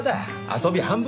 遊び半分。